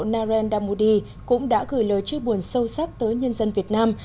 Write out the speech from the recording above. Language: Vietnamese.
narendra modi cũng đã gửi lời chiêu buồn sâu sắc tới nhân dân việt nam